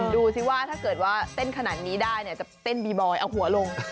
ดูสิว่าถ้าเกิดว่าเต้นขนาดนี้ได้จะเต้นบีบอยเอาหัวลง